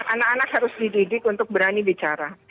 anak anak harus dididik untuk berani bicara